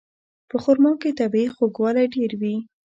په خرما کې طبیعي خوږوالی ډېر وي.